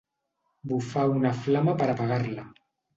Bufar una flama per apagar-la.